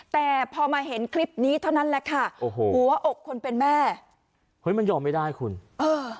เท่านั้นแหละค่ะโอ้โหหัวอกคนเป็นแม่เฮ้ยมันยอมไม่ได้คุณเออ